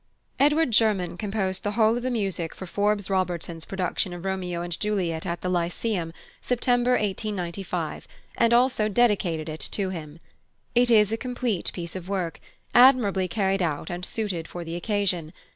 +Edward German+ composed the whole of the music for Forbes Robertson's production of Romeo and Juliet at the Lyceum, September 1895, and also dedicated it to him. It is a complete piece of work, admirably carried out and suited for the occasion.